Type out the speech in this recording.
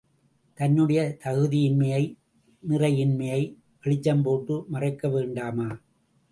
தன்னுடைய தகுதியின்மையை நிறையின்மையை வெளிச்சம் போட்டு மறைக்க வேண்டாமா?